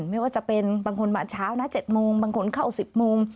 ไม่ว่าจะเป็นบางคนมาเช้านะ๗โมงบางคนเข้า๑๐โมง